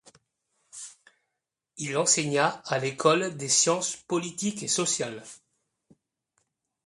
Il enseigna à l'École des sciences politiques et sociales.